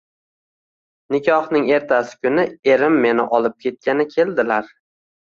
Nikohning ertasi kuni erim meni olib ketgani keldilar.